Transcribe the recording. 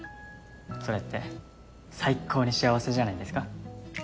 それって最高に幸せじゃないですか。